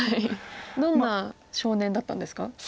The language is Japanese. どんな少年だったんですか？